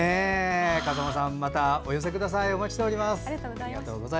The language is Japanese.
風間さんまたお寄せください。